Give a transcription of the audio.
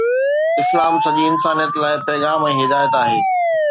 اسلام سڄي انسانيت لاءِ پيغام ۽ هدايت آهي.